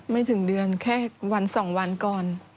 ไม่ถึงเดือนแค่วัน๒วันก่อน